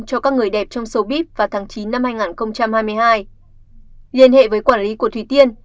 cho các người đẹp trong số bit vào tháng chín năm hai nghìn hai mươi hai liên hệ với quản lý của thủy tiên